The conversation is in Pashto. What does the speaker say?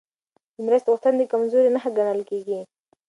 د مرستې غوښتنه د کمزورۍ نښه ګڼل کېږي.